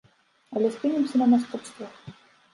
Але спынімся на наступствах.